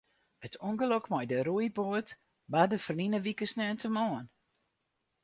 It ûngelok mei de roeiboat barde ferline wike sneontemoarn.